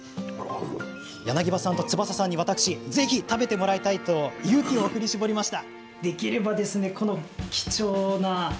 柳葉さんと翼さんにぜひ食べてもらいたいと私、勇気を振り絞りました。